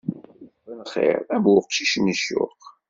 Isfenxiṛ am uqcic n ccuq.